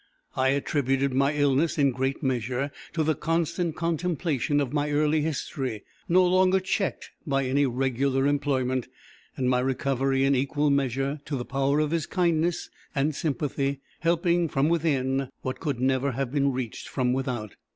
I attributed my illness in great measure to the constant contemplation of my early history, no longer checked by any regular employment; and my recovery in equal measure to the power of his kindness and sympathy, helping from within what could never have been reached from without.